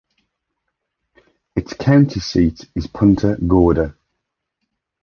Its county seat is Punta Gorda.